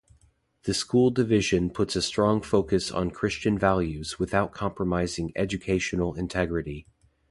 This school division puts a strong focus on Christian values without compromising educational integrity.